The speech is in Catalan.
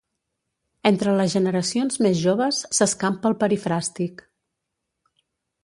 Entre les generacions més joves s’escampa el perifràstic.